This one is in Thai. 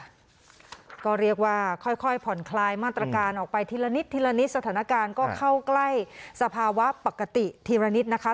ก็เรียกว่าค่อยผ่อนคลายมาตรการออกไปทีละนิดทีละนิดสถานการณ์ก็เข้าใกล้สภาวะปกติทีละนิดนะคะ